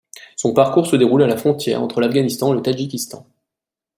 Son parcours se déroule à la frontière entre l'Afghanistan et le Tadjikistan.